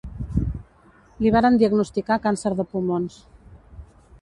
Li varen diagnosticar càncer de pulmons.